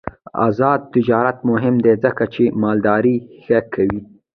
آزاد تجارت مهم دی ځکه چې مالداري ښه کوي.